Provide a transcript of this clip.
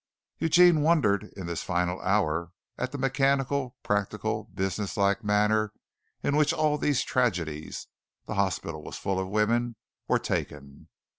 Eugene wondered in this final hour at the mechanical, practical, business like manner in which all these tragedies the hospital was full of women were taken.